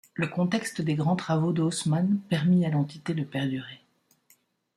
Le contexte des grands travaux d'Haussman permit à l'entité de perdurer.